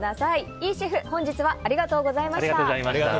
イシェフ本日はありがとうございました。